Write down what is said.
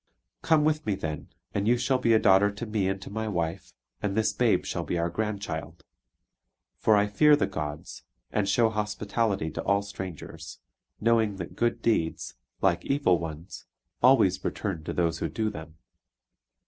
Come with me then, and you shall be a daughter to me and to my wife, and this babe shall be our grandchild. For I fear the gods, and show hospitality to all strangers; knowing that good deeds, like evil ones, always return to those who do them."